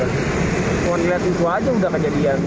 kalau dilihat itu aja udah kejadian